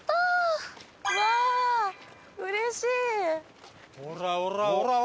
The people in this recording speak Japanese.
うわーうれしい！